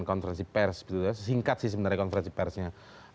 konferensi pers singkat sih sebenarnya konferensi persnya